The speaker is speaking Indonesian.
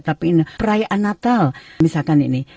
tapi ini perayaan natal misalkan ini